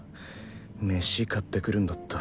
メシ買ってくるんだった。